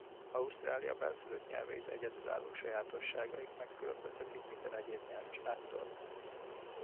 Ausztrália bennszülött nyelveit egyedülálló sajátosságaik megkülönböztetik minden egyéb nyelvcsaládtól.